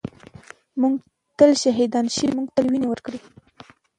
ًٍمونږ تل شهیدان شوي یُو مونږ تل وینې ورکــــړي